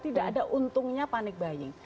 tidak ada untungnya panik buying